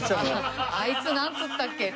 「あいつなんつったっけ？」。